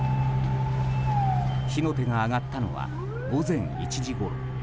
火の手が上がったのは午前１時ごろ。